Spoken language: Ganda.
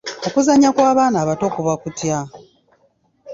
Okuzannya kw’abaana abato kuba kutya?